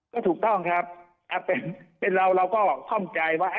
ก็ถูกต้องครับเป็นเราเราก็คล่องใจว่า